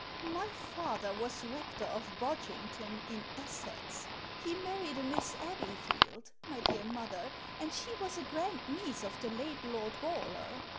" My father was rector of Bodgington, in Essex. He married a Miss Abbeyfidd, my dear mother, and she was a grand niece of the late Lord Gawler.